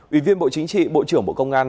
ủy viên bộ chính trị bộ trưởng bộ công an